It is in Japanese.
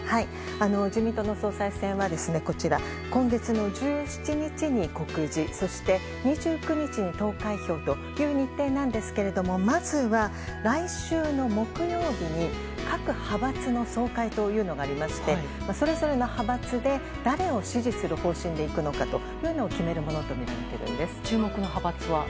自民党の総裁選はこちら、今月の１７日に告示、そして２９日に投開票という日程なんですけれども、まずは来週の木曜日に、各派閥の総会というのがありまして、それぞれの派閥で、誰を支持する方針でいくのかというのを決めるものと見られている注目の派閥は？